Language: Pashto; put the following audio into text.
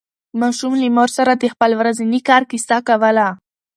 ماشوم له مور سره د خپل ورځني کار کیسه کوله